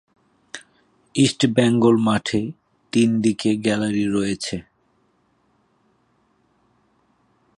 ইস্টবেঙ্গল মাঠে তিন দিকে গ্যালারি রয়েছে।